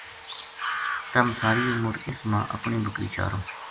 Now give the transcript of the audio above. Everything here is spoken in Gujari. تَم ساری عمر اس ما اپنی بکری چاروں